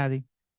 nạn nhân tỉnh lại